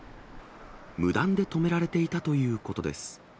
無断で止められていたということです。